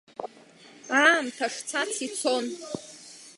Аамҭа шцац ицон.